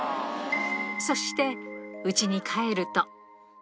そして、うちに帰ると。